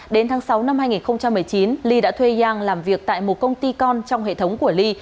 đến tháng sáu năm hai nghìn một mươi chín li đã thuê yanyang làm việc tại một công ty con trong hệ thống của li